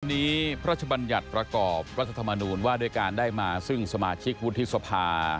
วันนี้พระชบัญญัติประกอบรัฐธรรมนูญว่าด้วยการได้มาซึ่งสมาชิกวุฒิสภา